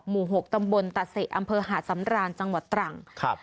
หมู่๖ตำบลตะเสอำเภอหาดสำราญจังหวัดตรังครับ